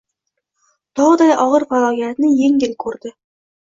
Tog‘day og‘ir falokatni yengil ko‘rdi